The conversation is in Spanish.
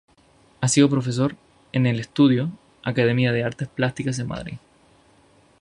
Ha sido profesor en "El Estudio" academia de artes plásticas en Madrid.